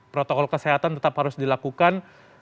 protokol kesehatan tetap harus dilakukan